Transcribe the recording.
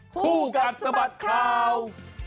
ผู้กัดสบัดข่าว